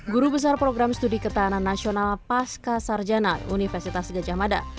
guru besar program studi ketahanan nasional paska sarjana universitas gejamada